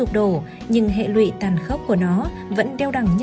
chủ nghĩa thực dân là gì